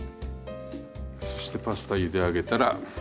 そしてパスタゆで上げたら。